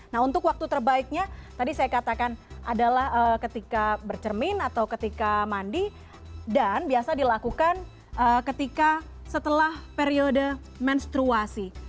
nah untuk waktu terbaiknya tadi saya katakan adalah ketika bercermin atau ketika mandi dan biasa dilakukan ketika setelah periode menstruasi